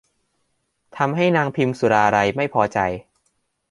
ทำให้นางพิมสุราลัยไม่พอใจ